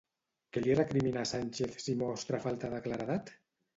Què li recrimina a Sánchez si mostra falta de claredat?